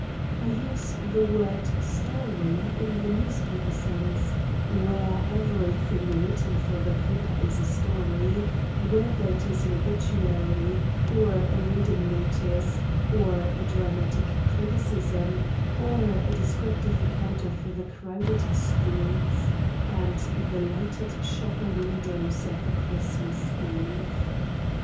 I use the word "story" in the newspaper sense, where everything written for the paper is a story, whether it is an obituary, or a reading notice, or a dramatic criticism, or a descriptive account of the crowded streets and the lighted shop windows of a Christmas Eve.